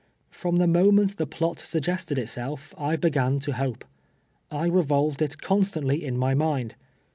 From the mo ment the ]dot suggested itself I began to hope. I revolved it constantly in my mind.